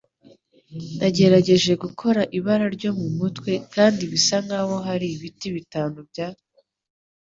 Nagerageje gukora ibara ryo mumutwe kandi bisa nkaho hari ibiti bitanu bya